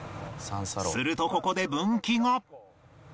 するとここで分岐が